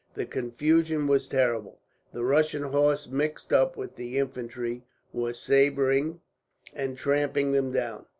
The confusion was terrible. The Russian horse, mixed up with the infantry, were sabring and trampling them down.